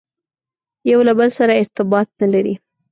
یو له بل سره ارتباط نه لري.